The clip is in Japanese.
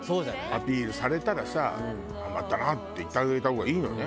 アピールされたらさ「頑張ったな」って言ってあげた方がいいのよね。